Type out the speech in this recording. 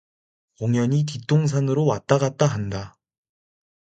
공현히뒷동산으로 왔다갔다한다.